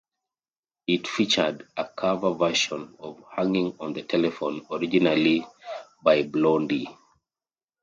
It featured a cover-version of "Hanging on the Telephone", originally by Blondie.